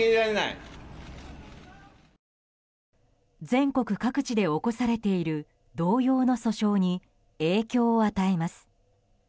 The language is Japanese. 全国各地で起こされている同様の訴訟に影響を与えます。